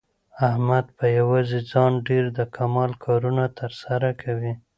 احمد په یووازې ځان ډېر د کمال کارونه تر سره کوي.